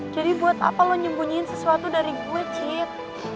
jadi buat apa lo nyembunyiin sesuatu dari gue cid